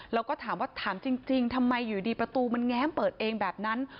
แล้วก็ถามว่าถามจริงทำไมอยู่ดีประตูมันแง้มเปิดเองแบบนั้น